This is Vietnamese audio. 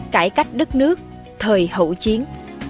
cải cách đất nước thời hậu chiến